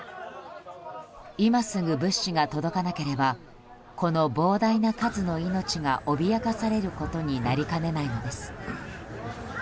今すぐ物資が届かなければこの膨大な数の命が脅かされることになりかねないのです。